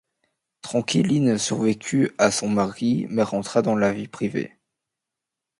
Tranquilline survécut à son mari mais rentra dans la vie privée.